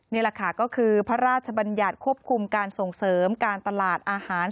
นี่แหละค่ะก็คือพระราชบัญญัติควบคุมการส่งเสริมการตลาดอาหาร